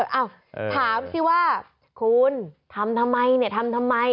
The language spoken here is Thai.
เอ้าถามสิว่าคุณทำทำไมเนี่ยทำทำไม